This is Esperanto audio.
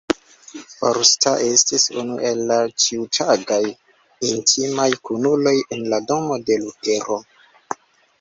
Forster estis unu el la ĉiutagaj intimaj kunuloj en la domo de Lutero.